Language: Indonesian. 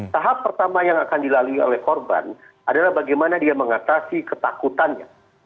tahap pertama yang akan dilalui oleh korban adalah bagaimana dia mengatasi ketakutannya